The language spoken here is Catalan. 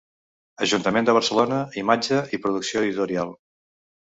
Ajuntament de Barcelona, Imatge i Producció Editorial.